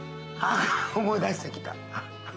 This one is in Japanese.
思い出してきた。